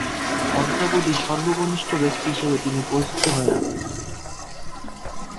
অদ্যাবধি সর্বকনিষ্ঠ ব্যক্তি হিসেবে তিনি পরিচিত হয়ে আছেন।